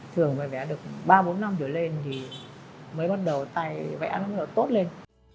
thường mà vẽ được ba bốn năm rồi lên thì mới bắt đầu tay vẽ nó bắt đầu tốt lên